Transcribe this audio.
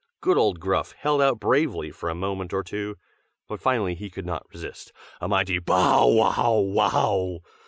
Good old Gruff held out bravely for a moment or two; but finally he could not resist. A mighty "Bow, wow WOW!"